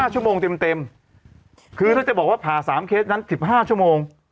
๕ชั่วโมงเต็มคือถ้าจะบอกว่าผ่า๓เคสนั้น๑๕ชั่วโมง